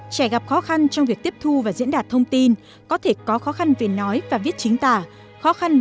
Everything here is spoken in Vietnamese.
trẻ gặp khó khăn trong việc tiếp thu và diễn đạt thông tin có thể có khó khăn về nói và viết chính tả khó khăn